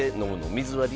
水割り？